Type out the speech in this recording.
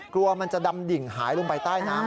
กลัวมันจะดำดิ่งหายลงไปใต้น้ำ